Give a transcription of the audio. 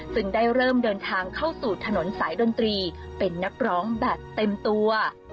ซึ่งได้เริ่มเดินทางเข้าสู่ถนนสายดนตรีเป็นนักร้องแบบเต็มตัว